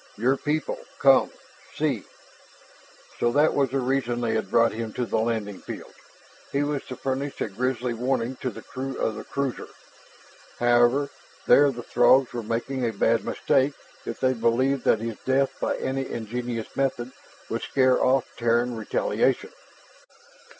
"Your people come see " So that was the reason they had brought him to the landing field. He was to furnish a grisly warning to the crew of the cruiser. However, there the Throgs were making a bad mistake if they believed that his death by any ingenious method could scare off Terran retaliation.